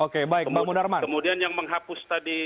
kemudian yang menghapus tadi